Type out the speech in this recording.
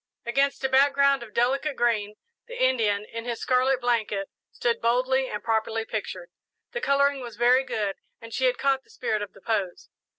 Against a background of delicate green, the Indian, in his scarlet blanket, stood boldly and properly pictured. The colouring was very good and she had caught the spirit of the pose.